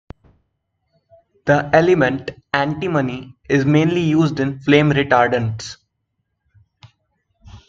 The element antimony is mainly used in flame retardants.